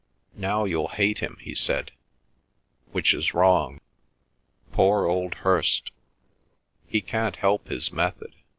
"Now you'll hate him," he said, "which is wrong. Poor old Hirst—he can't help his method.